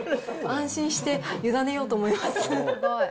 安心して委ねようと思います。